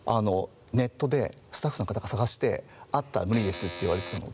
ネットでスタッフの方が探して「あったら無理です」って言われてたので。